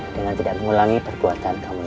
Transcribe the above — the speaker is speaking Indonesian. dengan tidak mengulangi perbuatan kami